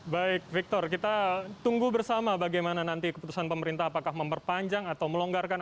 baik victor kita tunggu bersama bagaimana nanti keputusan pemerintah apakah memperpanjang atau melonggarkan